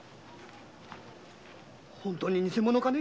本当に偽物かね？